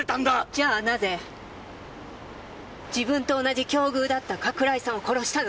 じゃあなぜ自分と同じ境遇だった加倉井さんを殺したの？